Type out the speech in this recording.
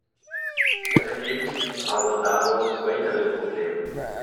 Es ergeben sich aber daraus weitere Probleme.